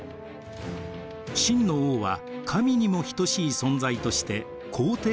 秦の王は神にも等しい存在として皇帝を名乗りました。